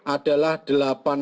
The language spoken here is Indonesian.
adalah delapan orang